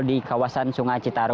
di kawasan sungai cita